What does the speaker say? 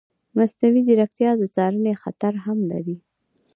مصنوعي ځیرکتیا د څارنې خطر هم لري.